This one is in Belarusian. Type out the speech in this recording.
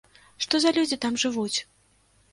Што за людзі там жывуць?